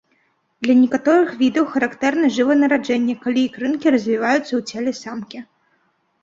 Для некаторых відаў характэрна жыванараджэнне, калі ікрынкі развіваюцца ў целе самкі.